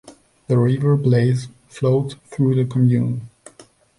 The River Blaise flows through the commune.